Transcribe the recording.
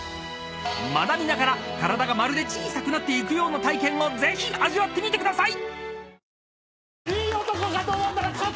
［学びながら体がまるで小さくなっていくような体験をぜひ味わってみてください！］